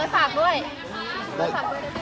สวัสดีครับ